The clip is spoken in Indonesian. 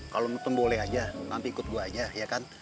kalau metem boleh aja nanti ikut gue aja ya kan